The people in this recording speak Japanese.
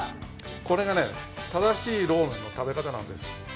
これが正しいローメンの食べ方なんです。